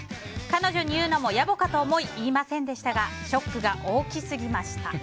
彼女に言うのも野暮かと思い言いませんでしたがショックが大きすぎました。